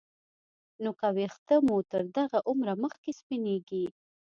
نو که ویښته مو تر دغه عمره مخکې سپینېږي